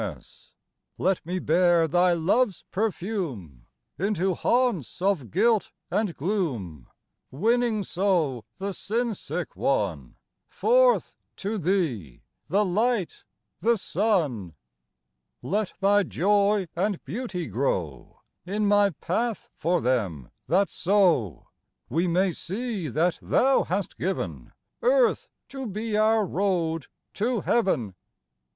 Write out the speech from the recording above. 38 EASTER GLEAMS Let me bear Thy love's perfume Into haunts of guilt and gloom, Winning so the sin sick one Forth to Thee, the Light, the Sun I Let Thy joy and beauty grow In my path for them, that so We may see that Thou hast given Earth to be our road to heaven.